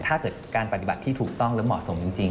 ถ้าเกิดการปฏิบัติที่ถูกต้องและเหมาะสมจริง